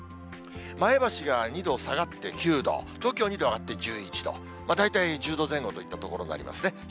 前橋が２度下がって９度、東京２度上がって１１度、大体１０度前後といったところになりますね。